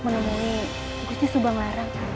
menemui gusti subang larang